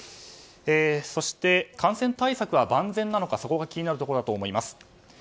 そして、感染対策は万全なのか気になるところだと思います。